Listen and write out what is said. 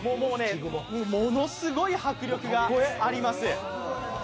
ものすごい迫力があります。